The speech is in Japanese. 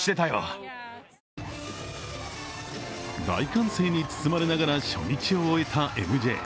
大歓声に包まれながら初日を終えた「ＭＪ」。